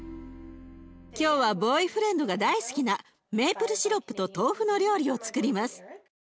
今日はボーイフレンドが大好きなメイプルシロップと豆腐の料理をつくります。